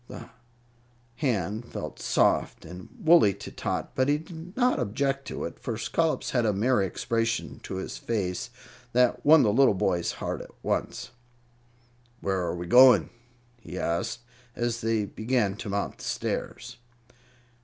The hand felt soft and woolly to Tot, but he did not object to it, for Scollops had a merry expression to his face that won the little boy's heart at once. "Where are we going?" he asked, as they began to mount the stairs.